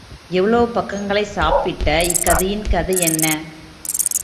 இவ்வளவு பக்கங்களைச் சாப்பிட்ட இக்கதையின் கதை என்ன?